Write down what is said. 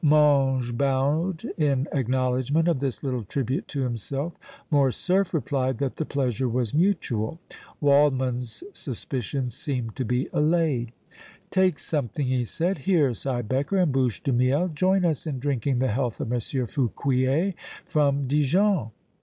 Mange bowed in acknowledgment of this little tribute to himself. Morcerf replied that the pleasure was mutual. Waldmann's suspicions seemed to be allayed. "Take something," he said. "Here, Siebecker and Bouche de Miel, join us in drinking the health of Monsieur Fouquier from Dijon!"